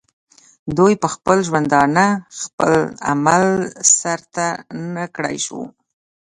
دوي پۀ خپل ژوندانۀ دغه عمل سر ته نۀ کړے شو